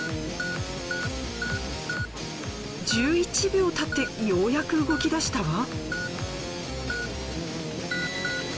１１秒たってようやく動きだしたわ。